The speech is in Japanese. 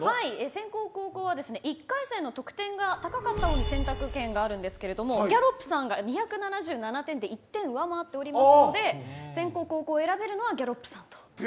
先攻後攻は１回戦の得点が高かった方に選択権があるんですけどギャロップさんが２７７点で１点上回っておりますので先攻後攻選べるのはギャロップさん